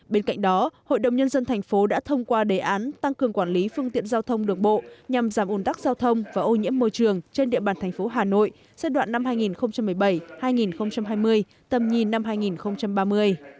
bên cạnh đó hội đồng nhân dân thành phố đã thông qua đề án tăng cường quản lý phương tiện giao thông đường bộ nhằm giảm ồn tắc giao thông và ô nhiễm môi trường trên địa bàn thành phố hà nội giai đoạn năm hai nghìn một mươi bảy hai nghìn hai mươi tầm nhìn năm hai nghìn ba mươi